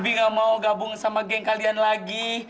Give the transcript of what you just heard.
abi enggak mau gabung sama geng kalian lagi